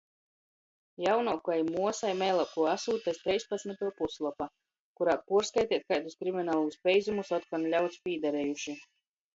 Jaunuokai muosai meiluokuo asūte treispadsmituo puslopa, kurā puorskaiteit, kaidus kriminalūs peizumus otkon ļauds, pīdarejuši.